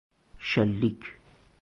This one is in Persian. شلیک